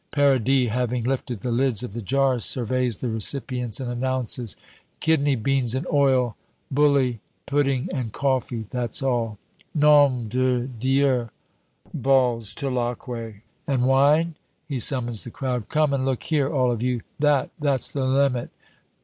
Paradis, having lifted the lids of the jars, surveys the recipients and announces, "Kidney beans in oil, bully, pudding, and coffee that's all." "Nom de Dieu!" bawls Tulacque. "And wine?" He summons the crowd: "Come and look here, all of you! That that's the limit!